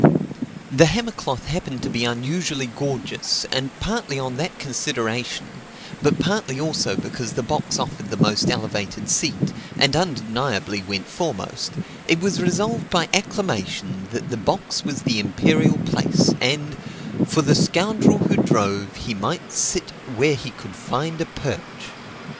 The hammer cloth happened to be unusually gorgeous; and partly on that consideration, but partly also because the box offered the most elevated seat, and undeniably went foremost, it was resolved by acclamation that the box was the imperial place, and, for the scoundrel who drove, he might sit where he could find a perch.